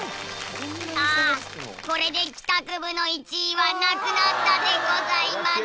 ああこれで帰宅部の１位はなくなったでございます。